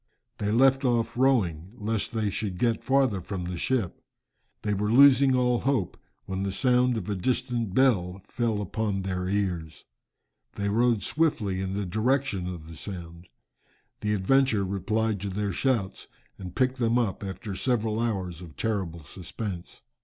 They left off rowing, lest they should get farther from the ship. They were losing all hope when the sound of a distant bell fell upon their ears. They rowed swiftly in the direction of the sound. The Adventure replied to their shouts and picked them up after several hours of terrible suspense.